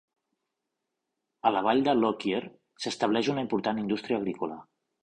A la vall de Lockyer s'estableix una important indústria agrícola.